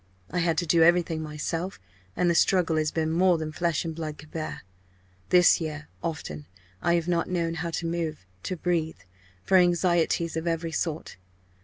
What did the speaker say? I had to do everything myself, and the struggle has been more than flesh and blood could bear! This year, often, I have not known how to move, to breathe, for anxieties of every sort.